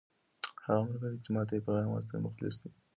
هغه ملګری چې ما ته یې پیغام واستاوه مخلص دی.